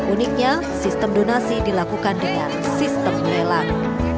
uniknya sistem donasi dilakukan dengan sistem lelang